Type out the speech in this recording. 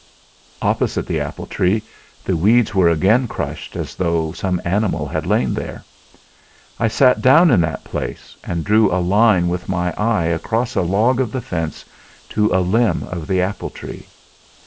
"Opposite the apple tree the weeds were again crushed as though some animal had lain there. I sat down in that place and drew a line with my eye across a log of the fence to a limb of the apple tree.